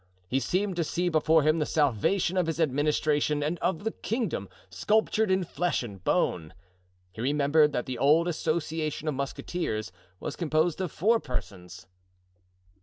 He seemed to see before him the salvation of his administration and of the kingdom, sculptured in flesh and bone. He remembered that the old association of musketeers was composed of four persons.